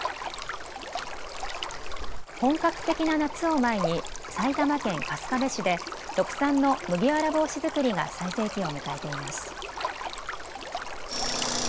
本格的な夏を前に埼玉県春日部市で特産の麦わら帽子作りが最盛期を迎えています。